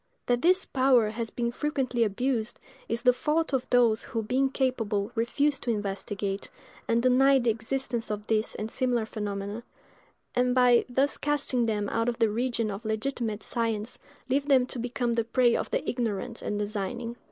That this power has been frequently abused, is the fault of those who, being capable, refuse to investigate, and deny the existence of these and similar phenomena; and, by thus casting them out of the region of legitimate science, leave them to become the prey of the ignorant and designing.